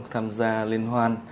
tham gia liên hoan